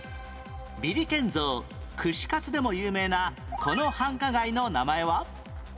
ビリケン像・串カツでも有名なこの繁華街の名前は？